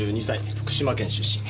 福島県出身。